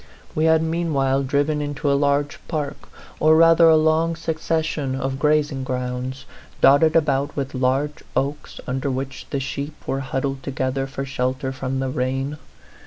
We had meanwhile driven into a large park, or rather a long succession of grazing grounds, dotted about with large oaks, under which the sheep were huddled together for shelter from the rain.